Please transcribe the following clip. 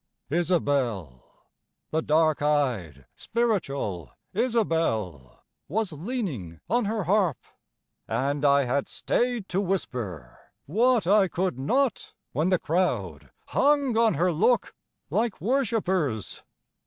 Isabel, The dark eyed, spiritual Isabel Was leaning on her harp, and I had staid To whisper what I could not when the crowd Hung on her look like worshippers.